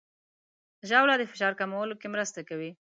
ژاوله د فشار کمولو کې مرسته کوي.